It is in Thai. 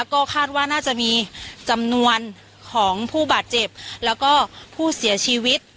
ก็คาดว่าน่าจะมีจำนวนของผู้บาดเจ็บแล้วก็ผู้เสียชีวิต